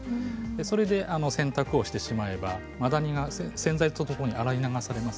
それで洗濯してしまえばマダニが洗剤とともに洗い流されます。